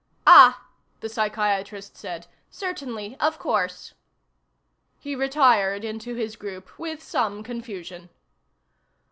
"Ah," the psychiatrist said. "Certainly. Of course." He retired into his group with some confusion.